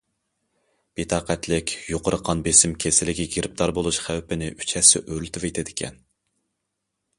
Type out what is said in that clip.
بىتاقەتلىك يۇقىرى قان بېسىم كېسىلىگە گىرىپتار بولۇش خەۋپىنى ئۈچ ھەسسە ئۆرلىتىۋېتىدىكەن.